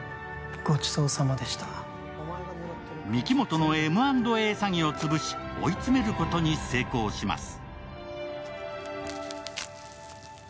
御木本のＭ＆Ａ詐欺をつぶし、追い詰めることに成功します。